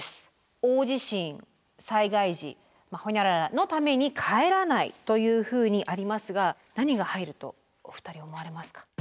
「大地震災害時○○○のために帰らない」というふうにありますが何が入るとお二人思われますか？